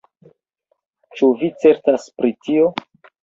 Ĉu vi certas pri tio?